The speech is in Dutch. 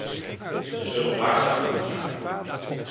Zij zullen waakzaam moeten zijn.